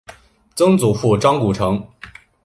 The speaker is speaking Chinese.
曾祖父张谷成。